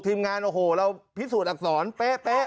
ทีมงานโอ้โหเราพิสูจน์อักษรเป๊ะ